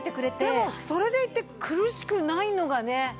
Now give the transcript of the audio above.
でもそれでいて苦しくないのがね。